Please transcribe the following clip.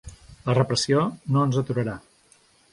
La repressió no ens aturarà.